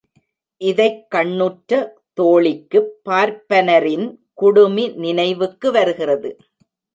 இதைக்கண்ணுற்ற தோழிக்குப் பார்ப்பனரின் குடுமி நினைவிற்கு வருகிறது.